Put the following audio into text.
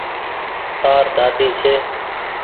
تآر ۮاۮي ڇي۔